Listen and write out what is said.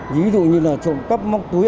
ví dụ như trộm cắp móc túi